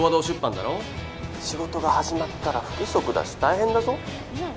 出版だろ☎仕事が始まったら不規則だし大変だぞ